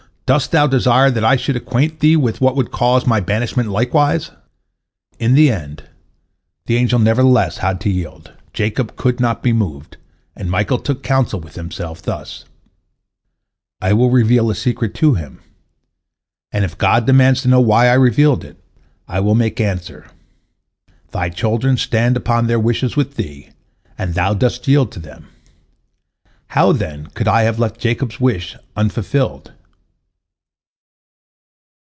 Dost thou desire that I should acquaint thee with what would cause my banishment likewise?" In the end the angel nevertheless had to yield; Jacob could not be moved, and Michael took counsel with himself thus: "I will reveal a secret to him, and if God demands to know why I revealed it, I will make answer, Thy children stand upon their wishes with Thee, and Thou dost yield to them. How, then, could I have left Jacob's wish unfulfilled?"